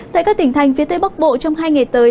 tại các tỉnh thành phía tây bắc bộ trong hai ngày tới